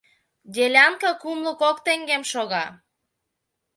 Делянка кумло кок теҥгем шога.